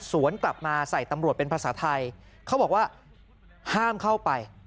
สวนกลับมาใส่ตำรวจเป็นภาษาไทยเขาบอกว่าห้ามเข้าไป